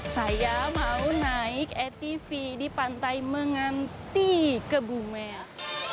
saya mau naik atv di pantai menganti kebumen